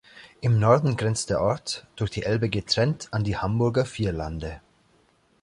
Im Norden grenzt der Ort, durch die Elbe getrennt, an die Hamburger Vierlande.